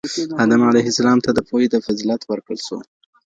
آدم ع ته د پوهې فضيلت ورکړل سو.